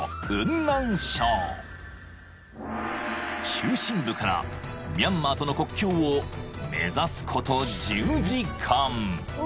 ［中心部からミャンマーとの国境を目指すこと］